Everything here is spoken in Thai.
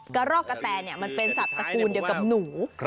กระรอกกะแตมันเป็นสัตว์ตระกูลเดียวกับหนู